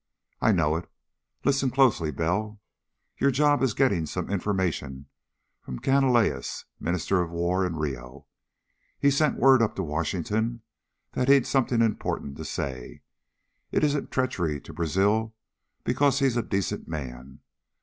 "I know it. Listen closely, Bell. Your job is getting some information from Canalejas, Minister of War in Rio. He sent word up to Washington that he'd something important to say. It isn't treachery to Brazil, because he's a decent man.